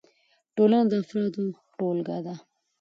ټولنه د افرادو ټولګه ده.